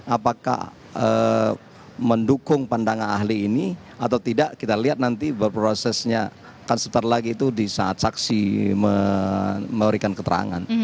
apakah mendukung pandangan ahli ini atau tidak kita lihat nanti prosesnya kan sebentar lagi itu disaat saksi memberikan keterangan